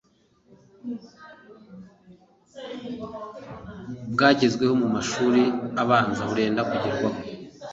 bwagezweho mu mashuri abanza burenda kugerwaho